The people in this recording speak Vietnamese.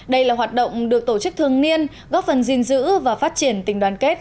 đây là hoạt động được tổ chức thường niên góp phần gìn giữ và phát triển tình đoàn kết